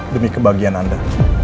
demi kebahagiaan anda